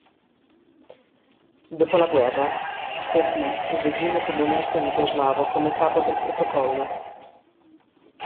Dopo la guerra, servì il regime comunista jugoslavo come capo del protocollo.